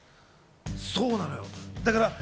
そうなのよ。